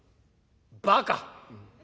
「バカ。